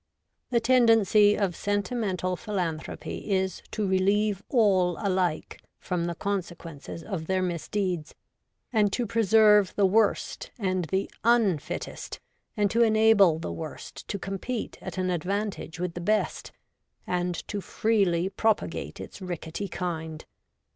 The tendency of sentimental philanthropy is to relieve all alike from the consequences of their misdeeds, and to preserve the worst and the nn fittest, and to enable the worst to compete at an advantage with the best, and to freely propagate its rickety kind.